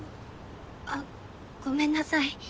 あっごめんなさい。